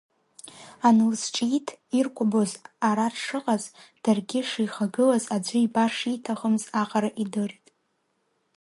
Анлызҿиҭ, иркәабоз ара дшыҟаз, даргьы шихагылаз аӡәы ибар шиҭахымз аҟара идырит.